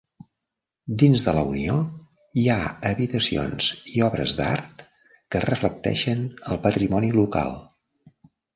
Dins de la Unió hi ha habitacions i obres d'art que reflecteixen el patrimoni local.